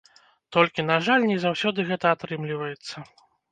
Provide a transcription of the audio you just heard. Толькі, на жаль, не заўсёды гэта атрымліваецца.